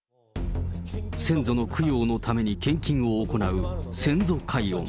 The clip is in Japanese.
先祖の供養のために献金を行う先祖解怨。